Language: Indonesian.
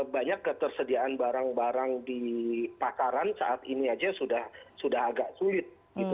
banyak ketersediaan barang barang di pasaran saat ini aja sudah agak sulit